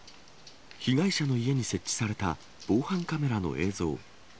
被害者の家に設置された防犯カメラの映像。